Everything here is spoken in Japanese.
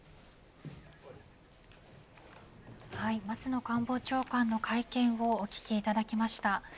松野官房長官の会見をお聞きいただきました。